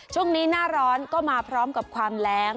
ช่วงนี้หน้าร้อนก็มาพร้อมกับความแรง